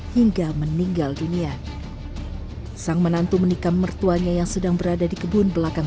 hingga meninggal dunia sang menantu menikam mertuanya yang sedang berada di kebun belakang